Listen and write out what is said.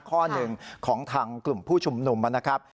ข้อหนึ่งของทางกลุ่มผู้ชุมนุมนะครับ